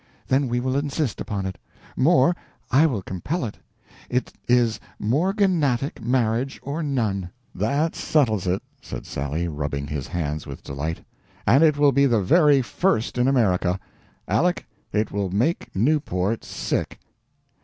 "Then we will insist upon it. More I will compel it. It is morganatic marriage or none." "That settles it!" said Sally, rubbing his hands with delight. "And it will be the very first in America. Aleck, it will make Newport sick."